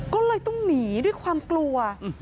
ก็เลยต้องหนีด้วยความกลัว